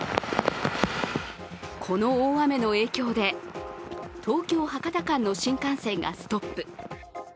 この大雨の影響で東京−博多間の新幹線がストップ。